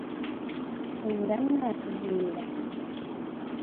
Singa nno atuviira.